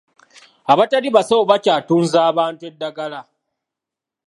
Abatali basawo bakyatunza abantu eddagala.